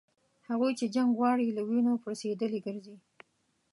هغوی چي جنګ غواړي له وینو پړسېدلي ګرځي